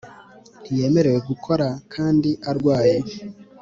ntiyemerewe gukora kandi arwaye